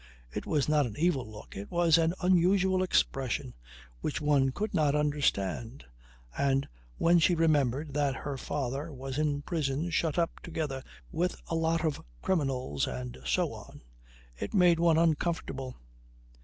it was not an evil look it was an unusual expression which one could not understand. And when one remembered that her father was in prison shut up together with a lot of criminals and so on it made one uncomfortable.